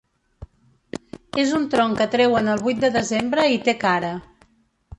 És un tronc que treuen el vuit de desembre i té cara.